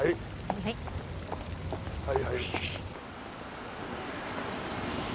はいはい。